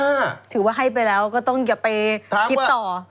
ถือว่าให้ไปแล้วก็ต้องอย่าไปคิดต่อ